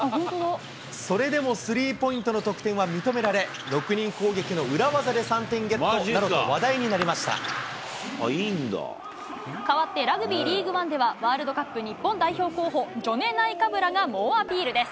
それでもスリーポイントの得点は認められ、変わってラグビーリーグワンではワールドカップ日本代表候補、ジョネ・ナイカブラが猛アピールです。